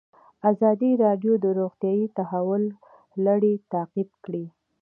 ازادي راډیو د روغتیا د تحول لړۍ تعقیب کړې.